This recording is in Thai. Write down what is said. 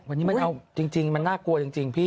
วันนี้มันเอาจริงมันน่ากลัวจริงพี่